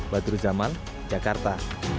badru jamal jakarta